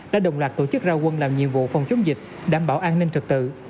đã đồng loạt tổ chức ra quân làm nhiệm vụ phòng chống dịch đảm bảo an ninh trật tự